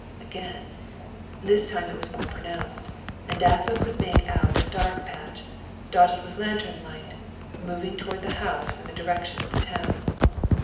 Again. This time it was more pronounced, and Dasso could make out a dark patch, dotted with lantern light, moving towards the house from the direction of the town.